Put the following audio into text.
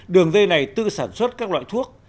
đường dây này tự sản xuất các loại thuốc